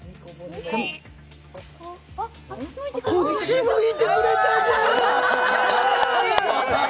こっち向いてくれたじゃーん！